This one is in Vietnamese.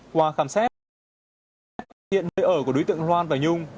qua khám xét hiện nơi ở của đối tượng loan và nhung